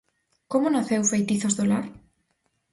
Como naceu "Feitizos do lar"?